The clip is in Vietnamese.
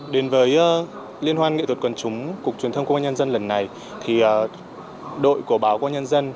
đến với liên hoan nghệ thuật quần chúng cục truyền thông công an nhân dân lần này thì đội của báo công an nhân dân